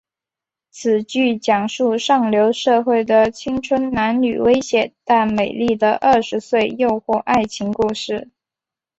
此剧讲述上流社会的青春男女危险但美丽的二十岁诱惑爱情故事。